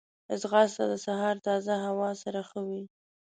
ځغاسته د سهار تازه هوا سره ښه وي